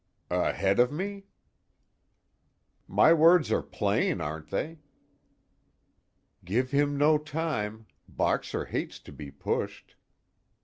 "Ahead of me?" "My words are plain, aren't they?" _Give him no time Boxer hates to be pushed.